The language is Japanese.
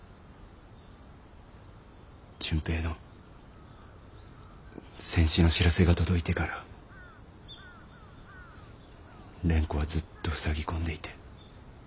純平の戦死の知らせが届いてから蓮子はずっとふさぎ込んでいて。